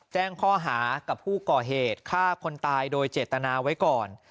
แจ้งข้อหากับผู้ก่อเหตุฆ่าคนตายโดยเจตนาไว้ก่อน